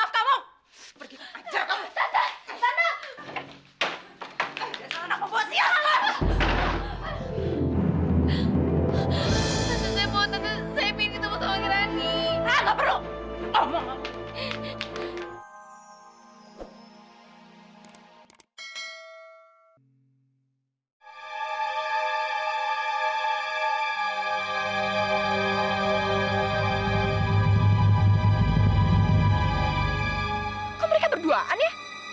kok mereka berduaan ya